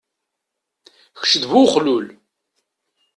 Keč d bu uxlul.